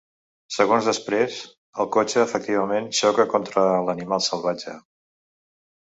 Segons després, el cotxe efectivament xoca contra l'animal salvatge.